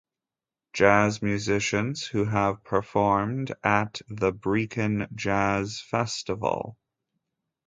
Jazz musicians who have performed at the Brecon Jazz Festival.